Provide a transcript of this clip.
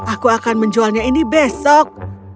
aku akan menjualnya ini besok